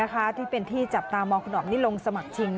ว่าที่เป็นที่จับตามว้างคุณอ๋อมนิรงสมรรย์ชิง